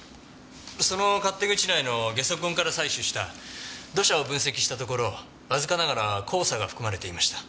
その勝手口内のゲソ痕から採取した土砂を分析したところわずかながら黄砂が含まれていました。